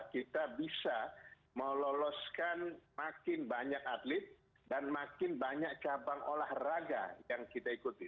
kita bisa meloloskan makin banyak atlet dan makin banyak cabang olahraga yang kita ikuti